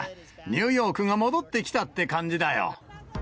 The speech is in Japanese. ニューヨークが戻ってきたって感じだよ。